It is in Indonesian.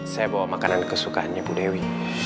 saya bawa makanan kesukaannya bu dewi